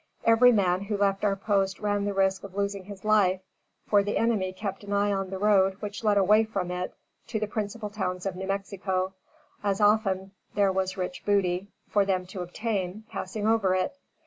Every man who left our post ran the risk of losing his life; for, the enemy kept an eye on the road which led away from it to the principal towns of New Mexico, as often there was rich booty, for them to obtain, passing over it.